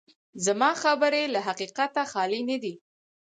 زما خبرې له حقیقته خالي نه دي.